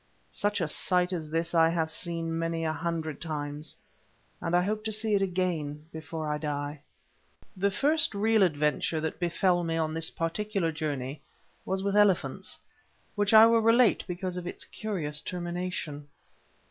Such a sight as this have I seen many a hundred times, and I hope to see it again before I die. The first real adventure that befell me on this particular journey was with elephants, which I will relate because of its curious termination.